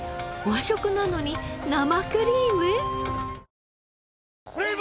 和食なのに生クリーム？